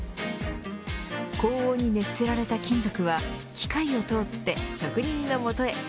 高温に熱せられた金属は機械を通って職人の元へ。